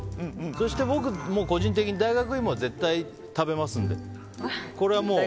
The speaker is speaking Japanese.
そして僕も個人的に大学いもは絶対に食べますので。